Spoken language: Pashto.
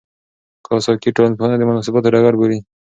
کواساکي ټولنپوهنه د مناسباتو ډګر بولي.